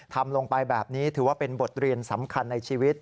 ทำลงไปแบบนี้ถือว่าเป็นบทเรียนสำคัญในชีวิต